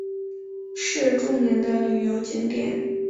是著名的旅游景点。